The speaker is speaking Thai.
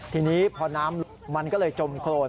ทีนี้พอน้ำมันก็เลยจมโครน